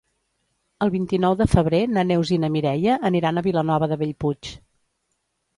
El vint-i-nou de febrer na Neus i na Mireia aniran a Vilanova de Bellpuig.